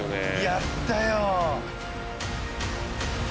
やったよ